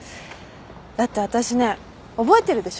だって私ね覚えてるでしょ？